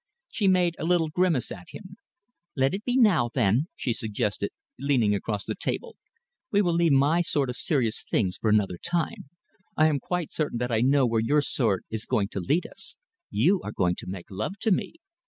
She made a little grimace at him. "Let it be now, then," she suggested, leaning across the table. "We will leave my sort of serious things for another time. I am quite certain that I know where your sort is going to lead us. You are going to make love to me."